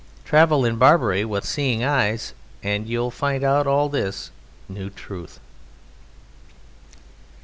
Travel in Barbary with seeing eyes and you find out all this new truth.